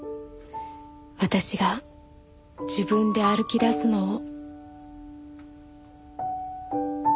私が自分で歩き出すのを。